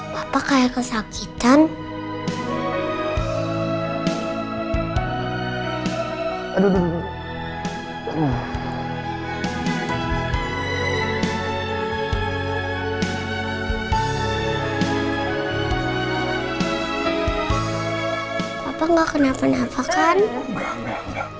bapak nggak kenapa napakan